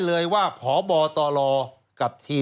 สวัสดีค่ะต้อนรับคุณบุษฎี